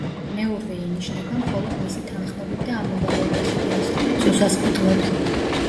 მეურვე ინიშნება მხოლოდ მისი თანხმობით და ამ მოვალეობას იგი ასრულებს უსასყიდლოდ.